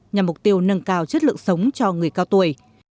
nhằm mục tiêu nâng cao chất lượng sống cho người cao tuổi